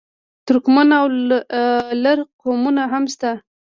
ترکمن او لر قومونه هم شته.